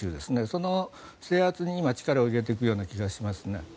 その制圧に今力を入れているような気がしますね。